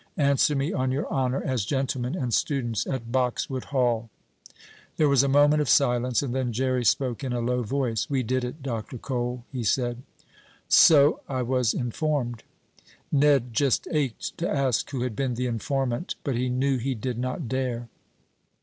Answer me on your honor as gentlemen and students at Boxwood Hall." There was a moment of silence, and then Jerry spoke in a low voice. "We did it, Dr. Cole," he said. "So I was informed." Ned just ached to ask who had been the informant, but he knew he did not dare.